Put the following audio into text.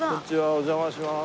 お邪魔します。